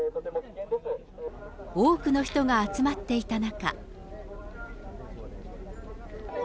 多くの人が集まっていた中。